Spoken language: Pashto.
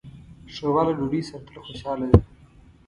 ښوروا له ډوډۍ سره تل خوشاله ده.